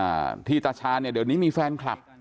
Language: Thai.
เอ่อที่ตาชานเดี๋ยวนี้มีฟานคลับ